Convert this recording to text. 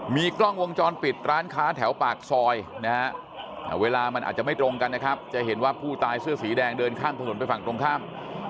มีกล้องวงจรปิดร้านค้าแถวปากซอยนะฮะเวลามันอาจจะไม่ตรงกันนะครับจะเห็นว่าผู้ตายเสื้อสีแดงเดินข้ามถนนไปฝั่งตรงข้าม